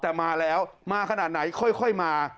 แต่มาแล้วมาขนาดไหนค่อยมา